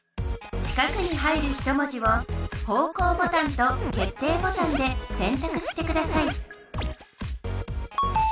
四角に入る一文字を方向ボタンと決定ボタンでせんたくしてください